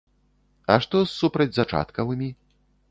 А што з супрацьзачаткавымі?